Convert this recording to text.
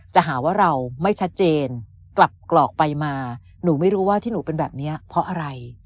จะหาว่าเราไม่ชัดเจนกลับกรอกไปมาหนูไม่รู้ว่าที่หนูเป็นแบบนี้เพราะอะไร